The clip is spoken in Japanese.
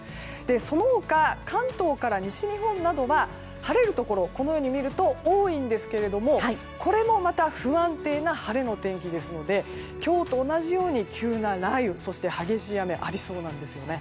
その他、関東から西日本などは晴れるところがこのように見ると多いんですけれどもこれもまた不安定な晴れの天気ですので今日と同じように急な雷雨、そして激しい雨がありそうなんですよね。